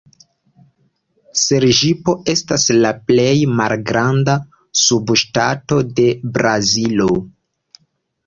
Serĝipo estas la plej malgranda subŝtato de Brazilo.